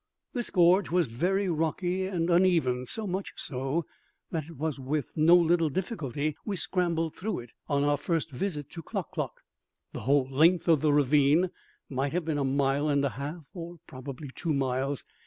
This gorge was very rocky and uneven, so much so that it was with no little difficulty we scrambled through it on our first visit to Klock klock. The whole length of the ravine might have been a mile and a half, or probably two miles.